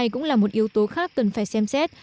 cũng là một yếu tố khác cần phải xem xét